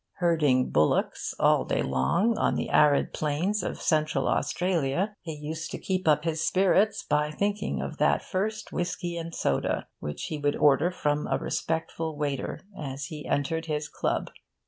Herding bullocks, all day long, on the arid plains of Central Australia, he used to keep up his spirits by thinking of that first whisky and soda which he would order from a respectful waiter as he entered his club.